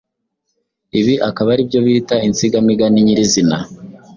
Ibi akaba ari byo bita insigamigani nyirizina.